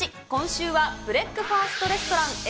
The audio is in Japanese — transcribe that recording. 今週はブレックファーストレストラン。